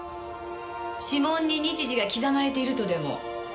指紋に日時が刻まれているとでも？